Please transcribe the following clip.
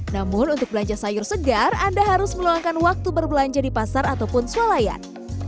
namun untuk belanja sayur segar anda harus meluangkan waktu berbelanja di pasar ataupun sualayan